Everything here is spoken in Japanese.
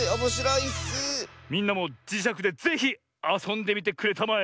みんなもじしゃくでぜひあそんでみてくれたまえ。